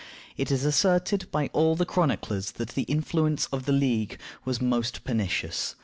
It is asserted by all the chroniclers that the influence of the League (Ligue) was most pernicious.